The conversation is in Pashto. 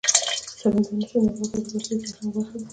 سمندر نه شتون د افغانستان د بشري فرهنګ برخه ده.